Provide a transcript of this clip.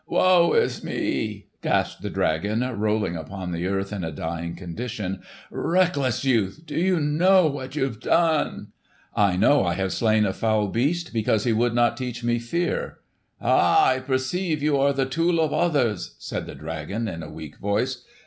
"Woe is me!" gasped the dragon rolling upon the earth in a dying condition. "Reckless youth, do you know what you have done?" "I know I have slain a foul beast because he would not teach me fear." "Ah, I perceive you are the tool of others," said the dragon in a weak voice.